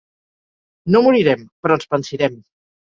No morirem, però ens pansirem.